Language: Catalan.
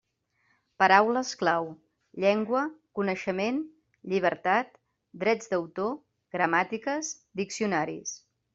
Paraules clau: llengua, coneixement, llibertat, drets d'autor, gramàtiques, diccionaris.